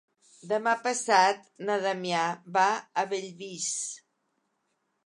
Demà passat na Damià va a Bellvís.